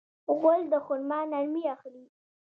غول د خرما نرمي اخلي.